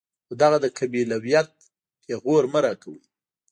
خو دغه د قبيلت پېغور مه راکوئ.